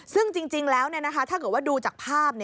ซึ่งจริงแล้วถ้าเกิดว่าดูจากภาพ